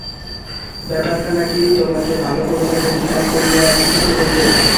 ব্যাপারখানা কী তোমাকে ভালো করিয়া পরীক্ষা করিয়া দেখিতে হইবে।